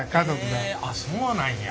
へえあっそうなんや。